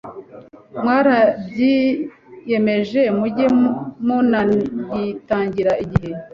mwarabyiyemeje mujye munayitangira igihe